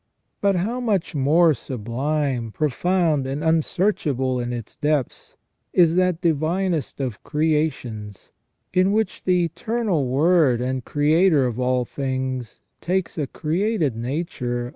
But how much more sublime, profound, and unsearchable in its depths is that divinest of creations, in which the Eternal Word and Creator of all things takes a created nature THE RESTORATION OF MAN.